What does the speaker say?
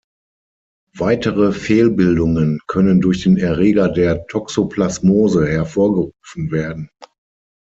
Weitere Fehlbildungen können durch den Erreger der Toxoplasmose hervorgerufen werden.